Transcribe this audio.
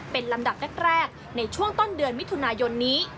เป็นลำดับแรกในช่วงต้นเดือนมิถุนายนนี้